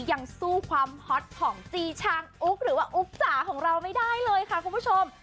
ยังสู้ความฮอตของจีชางอุ๊กหรือว่าอุ๊กจ๋าของเราไม่ได้เลยค่ะคุณผู้ชม